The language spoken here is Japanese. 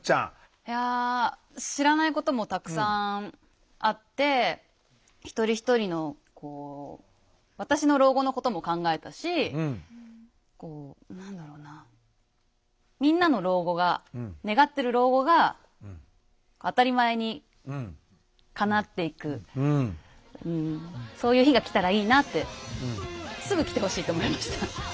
いや知らないこともたくさんあって一人一人のこう私の老後のことも考えたし何だろうなみんなの老後が願ってる老後が当たり前にかなっていくそういう日が来たらいいなってすぐ来てほしいと思いました。